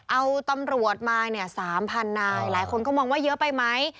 เอาตำรวจมาเนี่ย๓๐๐นายหลายคนก็มองว่าเยอะไปไหม